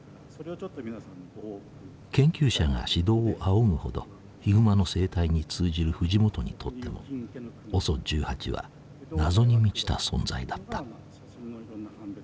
研究者が指導を仰ぐほどヒグマの生態に通じる藤本にとってもＯＳＯ１８は謎に満ちた存在だった。